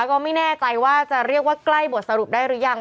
ก็ไม่แน่ใจว่าจะเรียกว่าใกล้บทสรุปได้หรือยัง